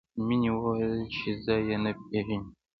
مینې وویل چې ځای یې نه پېژني